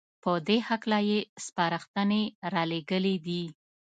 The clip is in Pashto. په دې هکله يې سپارښنې رالېږلې دي